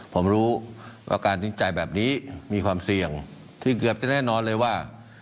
ผมรู้ว่าการทิ้งใจแบบนี้มีความเสี่ยงที่เกือบจะแน่นอนเลยว่า